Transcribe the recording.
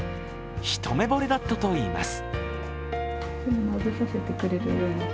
一目ぼれだったといいます。